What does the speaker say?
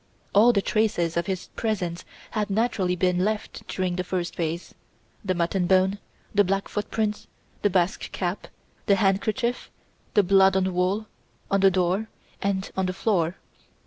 All the traces of his presence had naturally been left during the first phase; the mutton bone, the black footprints, the Basque cap, the handkerchief, the blood on the wall, on the door, and on the floor.